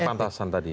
kepantasan tadi ya